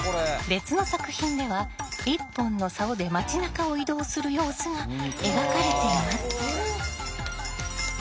別の作品では１本のさおで町なかを移動する様子が描かれています。